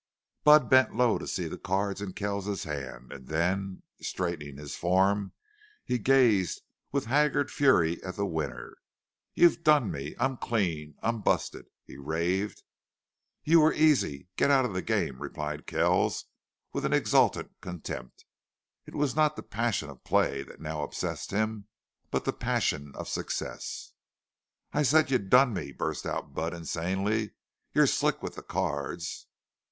Budd bent low to see the cards in Kells's hand, and then, straightening his form, he gazed with haggard fury at the winner. "You've done me!... I'm cleaned I'm busted!" he raved. "You were easy. Get out of the game," replied Kells, with an exultant contempt. It was not the passion of play that now obsessed him, but the passion of success. "I said you done me," burst out Budd, insanely. "You're slick with the cards!"